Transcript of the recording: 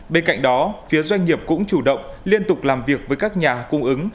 bên cạnh đó phía doanh nghiệp cũng chủ động liên tục làm việc với các nhà cung ứng